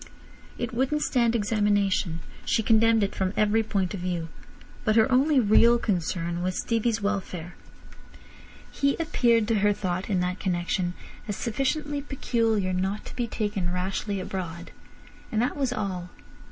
It wouldn't stand examination. She condemned it from every point of view. But her only real concern was Stevie's welfare. He appeared to her thought in that connection as sufficiently "peculiar" not to be taken rashly abroad. And that was all.